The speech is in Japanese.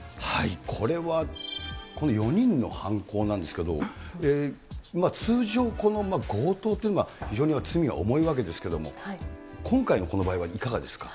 これは、この４人の犯行なんですけれども、通常、この強盗というのは、非常に罪が重いわけですけれども、今回のこの場合はいかがですか。